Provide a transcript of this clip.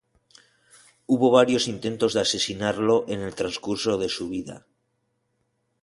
Hubo varios intentos de asesinarlo en el transcurso de su vida.